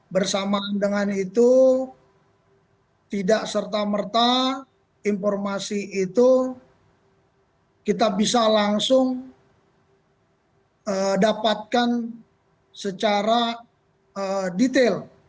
bersamaan dengan itu tidak serta merta informasi itu kita bisa langsung dapatkan secara detail